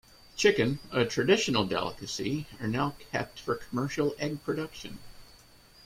Chicken, a traditional delicacy, are now kept for commercial egg production.